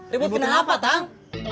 ribut kenapa tang